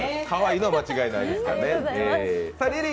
かわいいのは間違いないですからね。